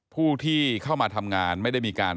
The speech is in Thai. ผู้ที่เข้ามาทำงานไม่ได้มีการ